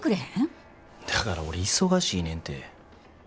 だから俺忙しいねんて。